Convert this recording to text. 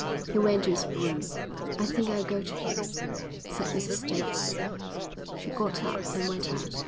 He went to his room. "I think I'll go to him," said Mrs Davidson. She got up and went out.